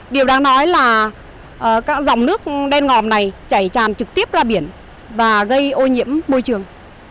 điều đang nói là các dòng nước đen ngòm này chảy tràn trực tiếp ra biển và gây ô nhiễm môi trường